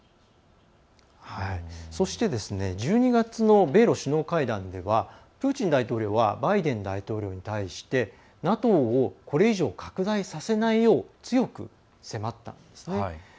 そして、１２月の米ロ首脳会談ではプーチン大統領はバイデン大統領に対してＮＡＴＯを、これ以上拡大させないよう強く迫ったんですね。